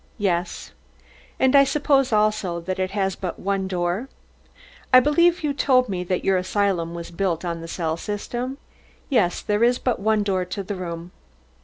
"Yes." "And I suppose also that it has but one door. I believe you told me that your asylum was built on the cell system." "Yes, there is but one door to the room."